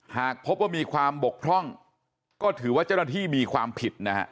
หากพบว่ามีความบกพร่องก็ถือว่าเจ้าหน้าที่มีความผิดนะฮะ